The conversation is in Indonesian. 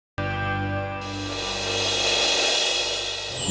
gue lebih serius lagi